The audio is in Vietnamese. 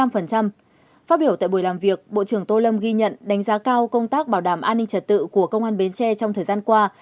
phát biểu tại buổi làm việc bộ trưởng tô lâm ghi nhận đánh giá cao công tác bảo đảm an ninh trật tự của công an bến tre trong thời gian qua